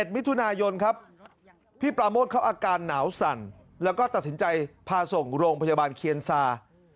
มิถุนายนครับพี่ปราโมทเขาอาการหนาวสั่นแล้วก็ตัดสินใจพาส่งโรงพยาบาลเคียนซา